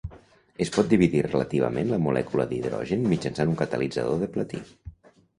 Es pot dividir relativament la molècula d'hidrogen mitjançant un catalitzador de platí.